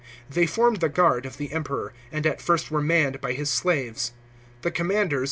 They formed the guard of the Emperor, and at first were manned by his slaves.